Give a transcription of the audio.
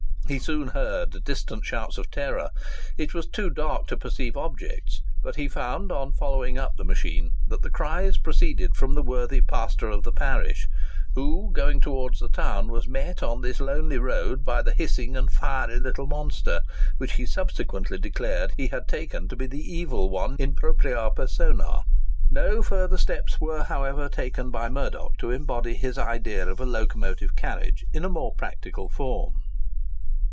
He soon heard distant shouts of terror. It was too dark to perceive objects; but he found, on following up the machine, that the cries proceeded from the worthy pastor of the parish, who, going towards the town, was met on this lonely road by the hissing and fiery little monster, which he subsequently declared he had taken to be the Evil One in propriá personâ. No further steps were, however, taken by Murdock to embody his idea of a locomotive carriage in a more practical form.